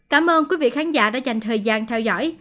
cảm ơn quý vị khán giả đã dành thời gian theo dõi